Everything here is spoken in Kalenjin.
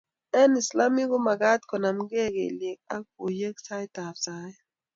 eng' islamek ko mekat konamgei kelyek ak buiwek saitab saet